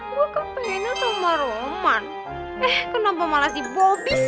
gue kepena sama roman eh kenapa malah si bobi sih